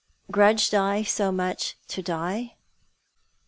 "GRUDGED I so MUCH TO DIE?"